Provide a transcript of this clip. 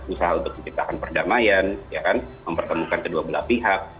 usaha untuk menciptakan perdamaian mempertemukan kedua belah pihak